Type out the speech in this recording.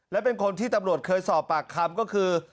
และเป็นคนที่ตำรวจเคยสอบปากคำก็คือ